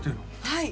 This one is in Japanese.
はい。